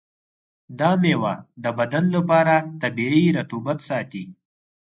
دا میوه د بدن لپاره طبیعي رطوبت ساتي.